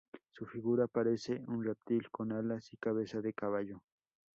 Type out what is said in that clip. Su figura parece un reptil con alas y cabeza de caballo.